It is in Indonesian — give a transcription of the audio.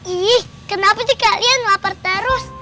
ih kenapa sih kalian lapar terus